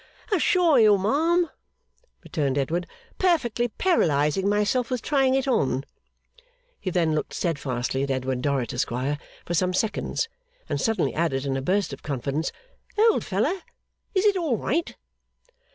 'Assure you, ma'am,' returned Edmund, 'perfectly paralysing myself with trying it on.' He then looked steadfastly at Edward Dorrit, Esquire, for some seconds, and suddenly added, in a burst of confidence, 'Old feller! Is it all right?